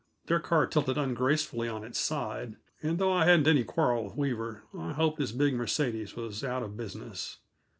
Their car tilted ungracefully on its side, and, though I hadn't any quarrel with Weaver, I hoped his big Mercedes was out of business.